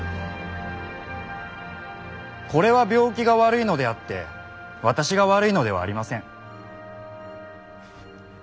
これは病気が悪いのであって私が悪いのではありません。